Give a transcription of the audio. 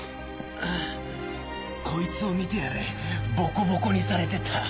ああこいつを見てやれボコボコにされてた。